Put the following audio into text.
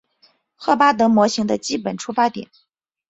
赫巴德模型的基本出发点。